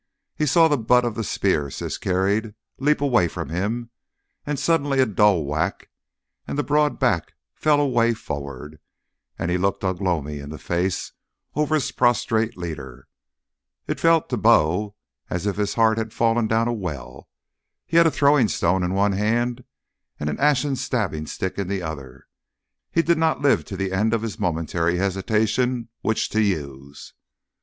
He saw the butt of the spear Siss carried leap away from him, and suddenly a dull whack and the broad back fell away forward, and he looked Ugh lomi in the face over his prostrate leader. It felt to Bo as if his heart had fallen down a well. He had a throwing stone in one hand and an ashen stabbing stick in the other. He did not live to the end of his momentary hesitation which to use.